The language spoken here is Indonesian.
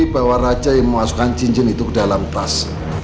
bahwa raja yang memasukkan cincin itu ke dalam tas